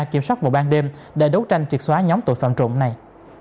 kiểm soát vào ban đêm để đấu tranh triệt xóa nhóm tội phạm trộm này